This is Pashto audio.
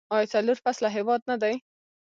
آیا څلور فصله هیواد نه دی؟